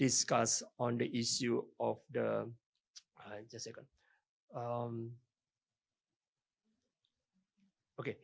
juga kami ingin membahas tentang masalah